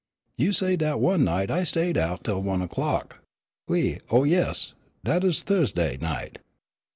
"You say dat one night I stayed out tell one o'clock. W'y oh, yes. Dat uz Thu'sday night.